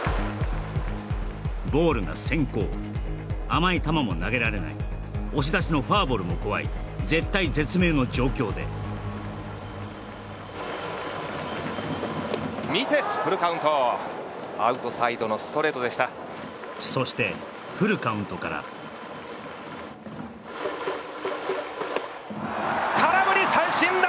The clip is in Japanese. ボールが先行甘い球も投げられない押し出しのフォアボールも怖い絶体絶命の状況で見てフルカウントアウトサイドのストレートでしたそしてフルカウントから空振り三振だ！